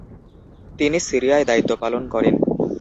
তিনি সিরিয়ায় দায়িত্ব পালন করেন।